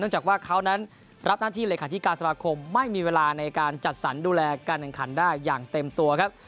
จากว่าเขานั้นรับหน้าที่เลขาธิการสมาคมไม่มีเวลาในการจัดสรรดูแลการแข่งขันได้อย่างเต็มตัวครับ